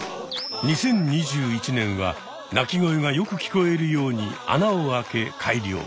２０２１年は鳴き声がよく聞こえるように穴を開け改良。